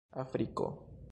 afriko